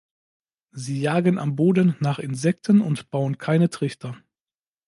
Sie jagen am Boden nach Insekten und bauen keine Trichter.